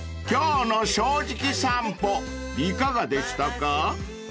［今日の『正直さんぽ』いかがでしたか？］